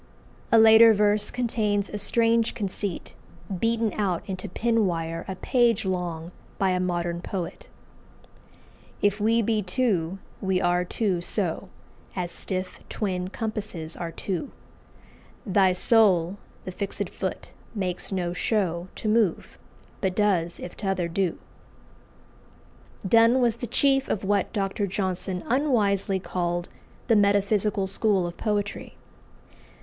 '" A later verse contains a strange conceit, beaten out into pin wire a page long by a modern poet "If we be two, we are two so As stiff twin compasses are two; Thy soul, the fix'd foot, makes no show To move, but does if t'other do." Donne was the chief of what Dr. Johnson unwisely called "the metaphysical school of poetry."